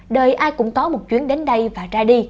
đời ai cũng có một chuyến đến đây và ra đi